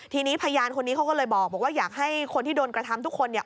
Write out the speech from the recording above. ทีนี้พยานคนนี้เขาก็เลยบอกว่าอยากให้คนที่โดนกระทำทุกคนเนี่ย